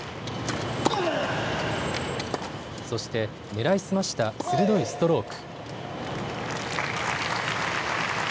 そして狙い澄ました鋭いストローク。